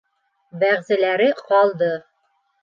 Бәғзеләре ҡалды.